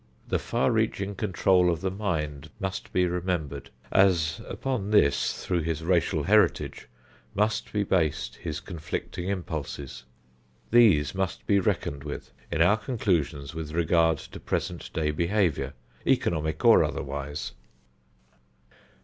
The far reaching control of the mind must be remembered, as upon this through his racial heritage must be based his conflicting impulses. These must be reckoned with in our conclusions with regard to present day behavior, economic or otherwise.